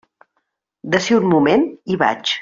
D'ací a un moment hi vaig.